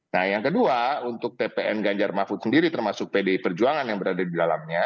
nah yang kedua untuk tpn ganjar mahfud sendiri termasuk pdi perjuangan yang berada di dalamnya